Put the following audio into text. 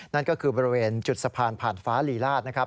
นั่นก็คือบริเวณจุดสะพานผ่านฟ้าลีลาศนะครับ